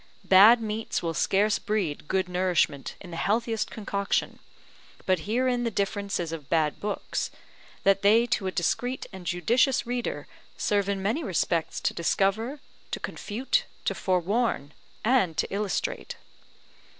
Bad meats will scarce breed good nourishment in the healthiest concoction; but herein the difference is of bad books, that they to a discreet and judicious reader serve in many respects to discover, to confute, to forewarn, and to illustrate.